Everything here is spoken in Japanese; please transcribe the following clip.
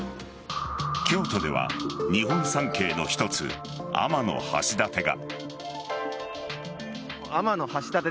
京都では日本三景の一つ天橋立が。